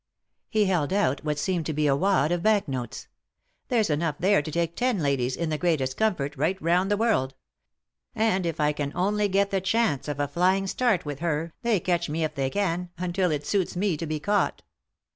H« held out what seemed to be a wad of bank notes. " There's enough there to take ten ladies, in the greatest comfort, right round the world ; and if I can only get the chance of a flying start, with her, they catch me if they can — until it suits me to be caught.